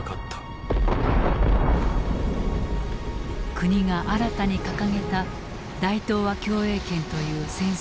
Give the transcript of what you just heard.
国が新たに掲げた大東亜共栄圏という戦争目的。